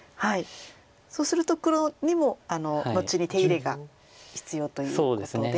そうすると黒にも後に手入れが必要ということで。